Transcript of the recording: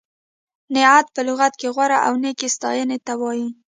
نعت په لغت کې غوره او نېکې ستایینې ته وایي.